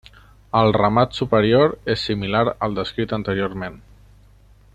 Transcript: El remat superior és similar al descrit anteriorment.